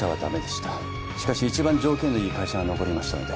しかし一番条件のいい会社が残りましたので